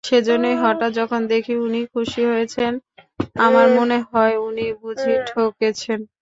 সেইজন্যেই হঠাৎ যখন দেখি উনি খুশি হয়েছেন, আমার মনে হয় উনি বুঝি ঠকেছেন।